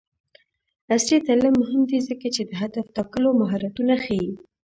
عصري تعلیم مهم دی ځکه چې د هدف ټاکلو مهارتونه ښيي.